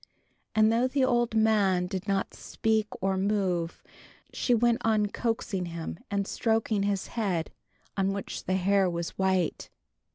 And though the old man did not speak or move, she went on coaxing him, and stroking his head, on which the hair was white.